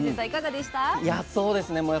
いやそうですね